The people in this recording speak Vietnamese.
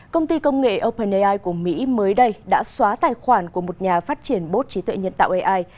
công ty công nghệ open ai của mỹ mới đây đã xóa tài khoản của một nhà phát triển bốt trí tuệ nhân tạo ai